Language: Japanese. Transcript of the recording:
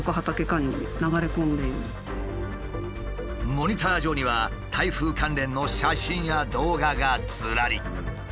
モニター上には台風関連の写真や動画がずらり。